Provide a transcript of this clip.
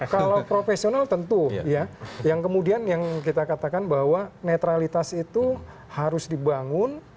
kalau profesional tentu ya yang kemudian yang kita katakan bahwa netralitas itu harus dibangun